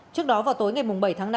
trước đó vào tối ngày bảy tháng năm